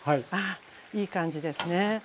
ああいい感じですね。